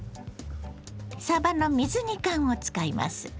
さばの水煮缶を使います。